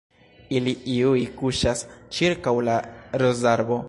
Ili iuj kuŝas ĉirkaŭ la rozarbo.